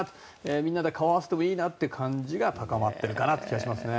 みんなで顔を合わせていいなという感じが高まっているなと感じますね。